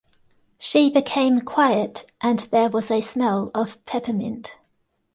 She became quiet, and there was a smell of peppermint.